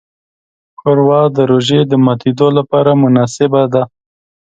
ښوروا د روژې د ماتیو لپاره مناسبه ده.